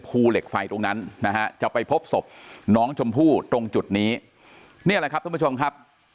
ภูเหล็กไฟตรงนั้นนะฮะจะไปพบศพน้องชมพู่ตรงจุดนี้นี่แหละครับท่านผู้ชมครับ